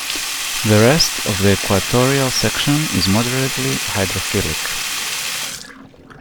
The rest of the equatorial section is moderately hydrophilic.